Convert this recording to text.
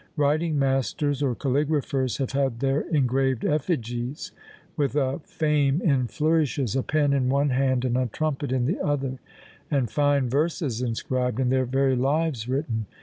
Writing masters, or caligraphers, have had their engraved "effigies," with a Fame in flourishes, a pen in one hand and a trumpet in the other; and fine verses inscribed, and their very lives written!